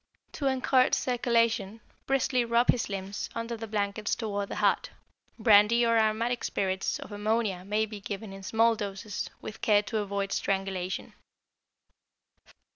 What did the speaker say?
To encourage circulation briskly rub his limbs under the blankets toward the heart; brandy or aromatic spirits of ammonia may be given in small doses, with care to avoid strangulation.